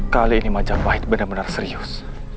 kali ini majapahit benar benar serius